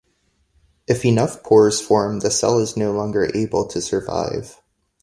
If enough pores form, the cell is no longer able to survive.